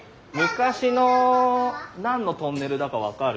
昔の何のトンネルだか分かる？